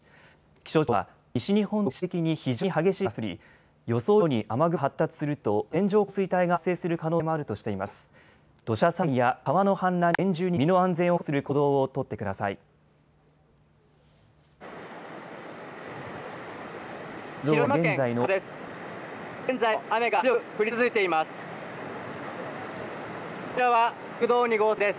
気象庁は、西日本と東日本では局地的に非常に激しい雨が降り予想以上に雨雲が発達すると線状降水帯が発生する可能性もあるとしています。